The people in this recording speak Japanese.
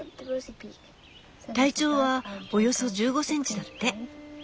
「体長はおよそ１５センチ」だって。